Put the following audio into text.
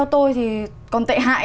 ý kiến của nhà báo